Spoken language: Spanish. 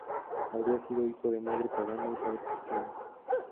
Habría sido hijo de madre pagana y padre cristiano.